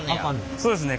そうですね。